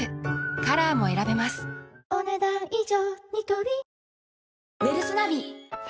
カラーも選べますお、ねだん以上。